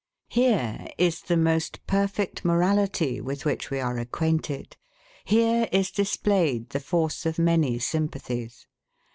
Here is the most perfect morality with which we are acquainted: here is displayed the force of many sympathies.